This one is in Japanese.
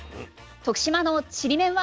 徳島のちりめんは。